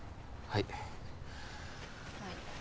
はい。